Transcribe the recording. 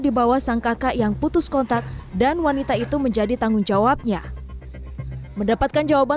dibawah sang kakak yang putus kontak dan wanita itu menjadi tanggung jawabnya mendapatkan jawaban